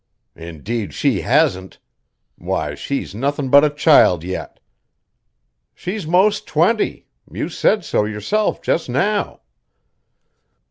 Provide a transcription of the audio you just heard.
"Indeed she hasn't. Why, she's nothin' but a child yet." "She's most twenty. You said so yourself just now."